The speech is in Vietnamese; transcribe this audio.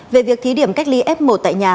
về việc thí điểm cách ly f một tại nhà